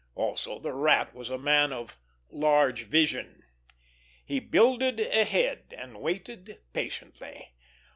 Also, the Rat was a man of large vision. He builded ahead and waited patiently.